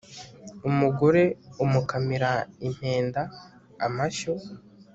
umugore umukamira impenda (amashyo